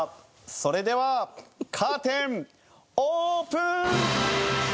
それではカーテンオープン！